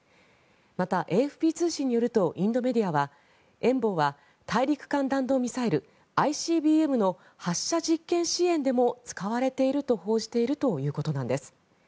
また、ＡＦＰ通信によるとインドメディアは、「遠望」は大陸間弾道ミサイル・ＩＣＢＭの発射実験支援でも使われていると報じているということなんです。